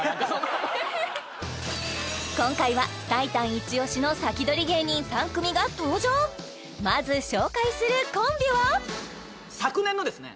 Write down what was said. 今回はタイタンイチオシのサキドリ芸人３組が登場まず紹介するコンビは昨年のですね